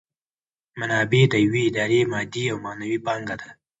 منابع د یوې ادارې مادي او معنوي پانګه ده.